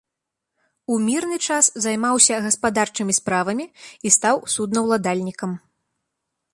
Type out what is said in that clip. У мірны час займаўся гаспадарчымі справамі і стаў суднаўладальнікам.